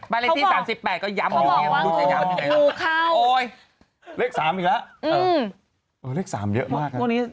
บานอีกที๓๘ก็ย้ำโง่เข้าเลข๓อีกแล้วเลข๓เยอะมาก